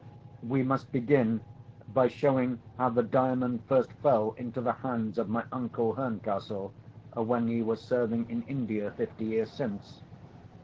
We must begin by showing how the Diamond first fell into the hands of my uncle Herncastle, when he was serving in India fifty years since.